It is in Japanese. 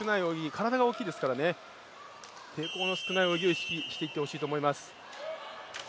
体が大きいですから抵抗の少ない泳ぎを意識していってほしいと思います